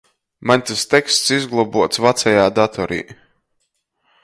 Maņ tys teksts izglobuots vacajā datorī.